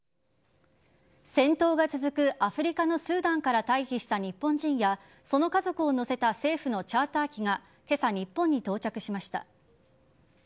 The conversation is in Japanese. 戦闘が続くアフリカのスーダンから退避した日本人やその家族を乗せた政府のチャーター機が今朝、日本に到着しました。